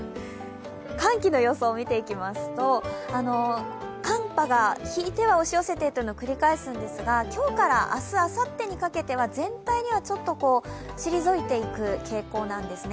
寒気の予想を見ていきますと、寒波が引いては押し寄せてというのを繰り返すんですが今日から明日、あさってにかけては全体にはちょっと退いていく傾向なんですね。